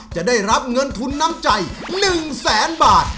จะได้รับเงินทุนน้ำใจ๑แสนบาท